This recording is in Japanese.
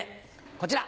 こちら